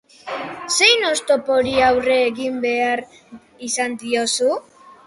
Zein oztopori aurre egin behar izan diozu?